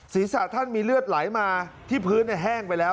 ศีรษะท่านมีเลือดไหลมาที่พื้นแห้งไปแล้ว